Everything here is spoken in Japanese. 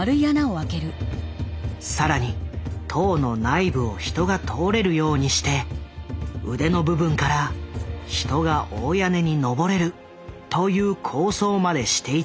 更に塔の内部を人が通れるようにして腕の部分から人が大屋根に登れるという構想までしていたのだ。